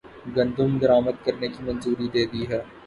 گندم درآمدکرنے کی منظوری دےدی ہے